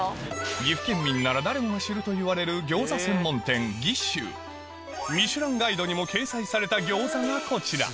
岐阜県民なら誰もが知るといわれるミシュランガイドにも掲載された餃子がこちら